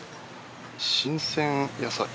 新鮮野菜。